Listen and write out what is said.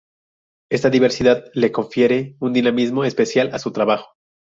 Esta diversidad le confiere un dinamismo especial a su trabajo.